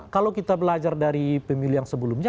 kalau kita belajar dari pemilihan sebelumnya